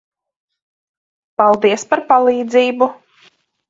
Paldies par palīdzību.